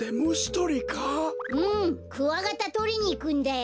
うんクワガタとりにいくんだよ。